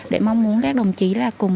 để mong muốn các đồng chí là cùng